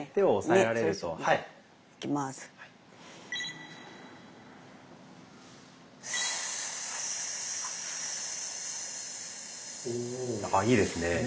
いいですね。